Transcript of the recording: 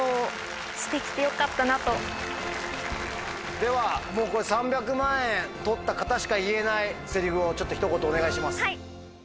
ではもうこれ３００万円獲った方しか言えないセリフをちょっとひと言お願いします。